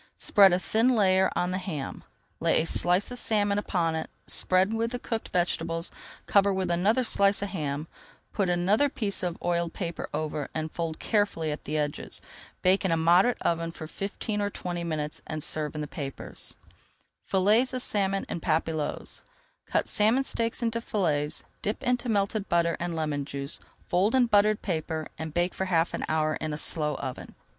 [Page 274] Spread a thin layer on the ham, lay a slice of salmon upon it, spread with the cooked vegetables, cover with another slice of ham, put another piece of oiled paper over, and fold carefully at the edges. Bake in a moderate oven for fifteen or twenty minutes, and serve in the papers. FILLETS OF SALMON EN PAPILLOTES Cut salmon steaks into fillets, dip into melted butter and lemon juice, fold in buttered paper, and bake for half an hour in a slow oven.